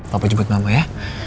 papa jemput mama ya